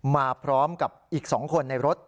มาพร้อมกับอีก๒คนในรถ